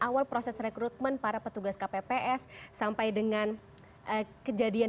balik gitu jadi